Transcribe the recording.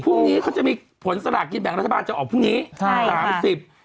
พรุ่งนี้เขาจะมีผลสละกิจแบบรัฐบาลจะออกพรุ่งนี้๓๐